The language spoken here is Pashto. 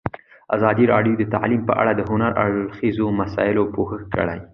ازادي راډیو د تعلیم په اړه د هر اړخیزو مسایلو پوښښ کړی.